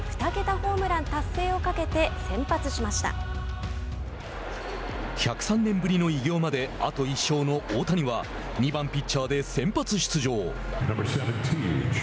ホームラン達成をかけて１０３年ぶりの偉業まであと１勝の大谷は２番ピッチャーで先発出場。